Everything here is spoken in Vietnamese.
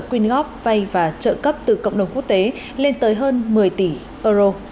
quyên góp vay và trợ cấp từ cộng đồng quốc tế lên tới hơn một mươi tỷ euro